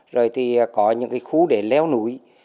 rồi thì có những cái khu để leo núi